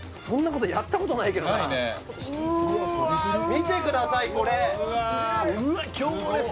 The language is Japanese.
そんなことやったことないけどなうわうわ